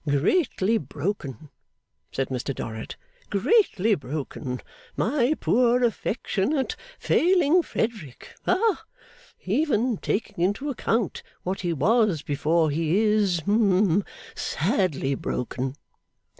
'Greatly broken,' said Mr Dorrit. 'Greatly broken. My poor, affectionate, failing Frederick! Ha. Even taking into account what he was before, he is hum sadly broken!